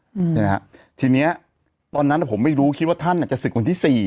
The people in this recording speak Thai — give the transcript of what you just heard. ใช่ไหมฮะทีเนี้ยตอนนั้นอ่ะผมไม่รู้คิดว่าท่านอ่ะจะศึกวันที่สี่